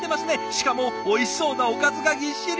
しかもおいしそうなおかずがぎっしり。